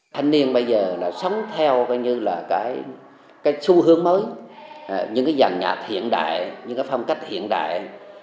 thành niên bây giờ là sống theo coi như là cái xu hướng mới những cái dàn nhạc hiện đại những cái phong cách hiện đại